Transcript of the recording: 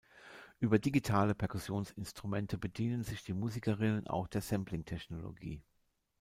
Über digitale Perkussionsinstrumente bedienen sich die Musikerinnen auch der Sampling-Technologie.